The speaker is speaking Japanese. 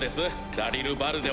ダリルバルデは。